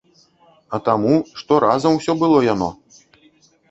А таму, што разам усё было яно.